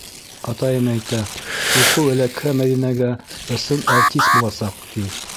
Атайым әйтә: уҡыу эләкһә Мәҙинәгә, ысын әртис буласаҡ, ти!